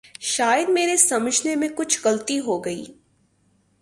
شاید میرے سمجھنے میں کچھ غلطی ہو گئی۔